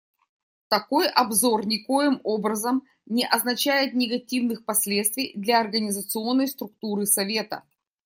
Такой обзор никоим образом не означает негативных последствий для организационной структуры Совета.